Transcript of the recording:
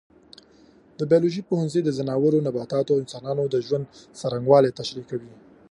د بیولوژي پوهنځی د ځناورو، نباتاتو او انسانانو د ژوند څرنګوالی تشریح کوي.